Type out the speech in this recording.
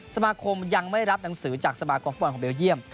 สมาคมยังไม่รับหนังสือจากสมาคมฟุตบอลของเบลเยี่ยม